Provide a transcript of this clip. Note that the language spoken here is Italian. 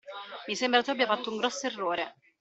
Mi sembra tu abbia fatto un grosso errore.